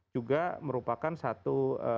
juga merupakan satu